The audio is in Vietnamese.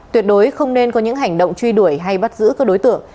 tuyệt đối không nên có những hành động truy đuổi hay bắt giữ các đối tượng